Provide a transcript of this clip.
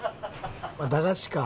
駄菓子か。